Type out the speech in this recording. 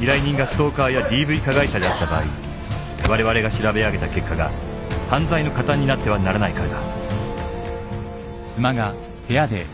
依頼人がストーカーや ＤＶ 加害者であった場合われわれが調べあげた結果が犯罪の加担になってはならないからだ